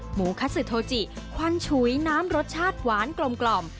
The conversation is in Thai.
หมูคัสซึโทจิควันฉุยน้ำรสชาติหวานกลม